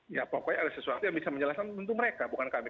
ya pokoknya ada sesuatu yang bisa menjelaskan tentu mereka bukan kami